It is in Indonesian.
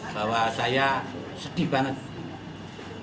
bahwa saya sedih banget